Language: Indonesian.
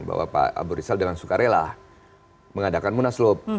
bahwa pak abu rizal dengan suka rela mengadakan munaslup